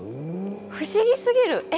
不思議すぎる、え？